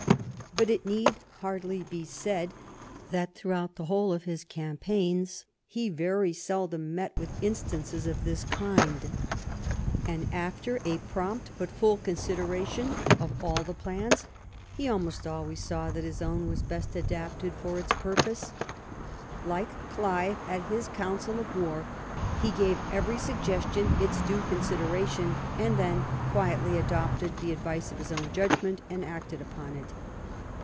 But it need hardly be said that throughout 101*^ THE REIGN OF QUEEN ANNE the whole of his campaigns he very seldom met with instances of this kind, and after a prompt but full consideration of all the plans he almost always saw that his own was best adapted for its purpose. Like Clive, at his council of war, he gave every suggestion its due consideration, and then quietly adopted the advice of his own judgment and acted upon it.